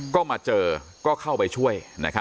ก็มาเจอก็เข้าไปช่วย